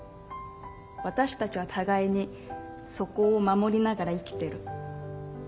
私たちは互いにそこを守りながら生きてる。